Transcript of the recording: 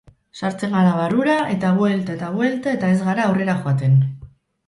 Sartzen gara barrura eta buelta eta buelta eta ez gara aurrera joaten.